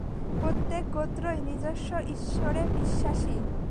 প্রত্যেক গোত্রই নিজস্ব ঈশ্বরে বিশ্বাসী।